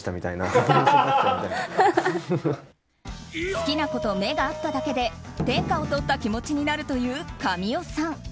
好きな子と目が合っただけで天下をとった気持ちになるという神尾さん。